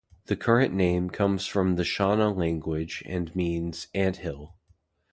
The current name comes from the Shona language and means "anthill".